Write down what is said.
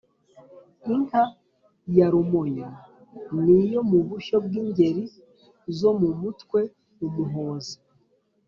inka ya rumonyi: ni iyo mubushyo bw’ingeri zo mu mutwe” umuhozi”